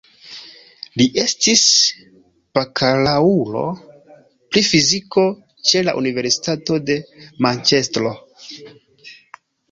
Li estis bakalaŭro pri fiziko ĉe la Universitato de Manĉestro.